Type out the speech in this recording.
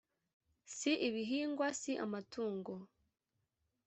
si ibihingwa si amatungo